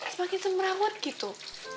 semakin semrawet gitu